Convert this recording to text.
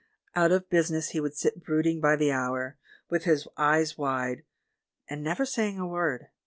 Out of busi ness he would sit brooding by the hour, with his eyes wide, and never saying a word.